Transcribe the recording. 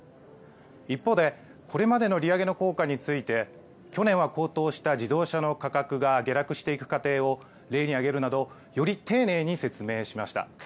一方で、これまでの利上げの効果について、去年は高騰した自動車の価格が下落していく過程を例に挙げるなど、より丁寧に説明しました。